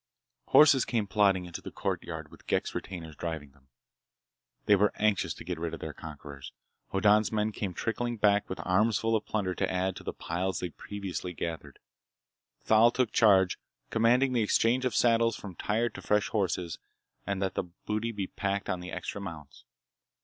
Horses came plodding into the courtyard with Ghek's retainers driving them. They were anxious to get rid of their conquerors. Hoddan's men came trickling back, with armsful of plunder to add to the piles they'd previously gathered. Thal took charge, commanding the exchange of saddles from tired to fresh horses and that the booty be packed on the extra mounts.